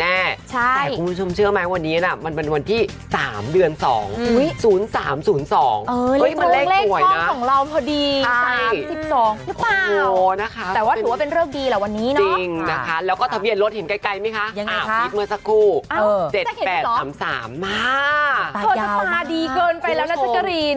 เธอจะมาดีเกินไปแล้วนะแจ๊กกะรีน